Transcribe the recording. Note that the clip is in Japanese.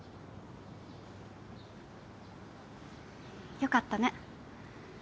よかったね。